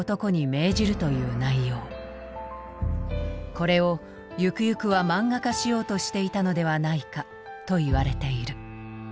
これをゆくゆくは漫画化しようとしていたのではないかといわれている。